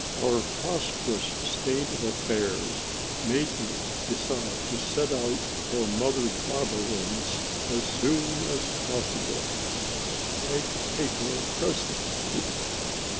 Our prosperous state of affairs made me decide to set out for Mother Barberin's as soon as possible. I could take her a present.